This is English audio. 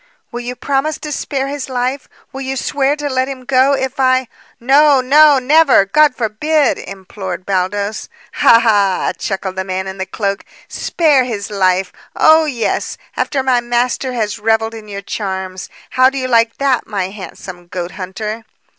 "Will you promise to spare his life? Will you swear to let him go, if I " "No, no, never! God forbid!" implored Baldos. "Ha, ha!" chuckled the man in the cloak. "Spare his life! Oh, yes; after my master has revelled in your charms. How do you like that, my handsome goathunter?"